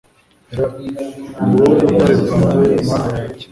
r/ ni wowe rutare rwanjye (mana yanjye) ni